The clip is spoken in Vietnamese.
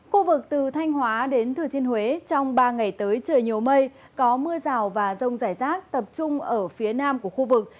khu vực từ thanh hóa đến thừa thiên huế trong ba ngày tới trời nhiều mây có mưa rào và rông rải rác tập trung ở phía nam của khu vực